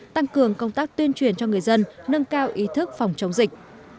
tăng cường công tác tuyên truyền cho người dân nâng cao ý thức phòng chống dịch